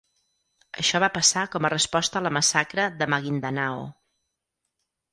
Això va passar com a resposta a la massacre de Maguindanao.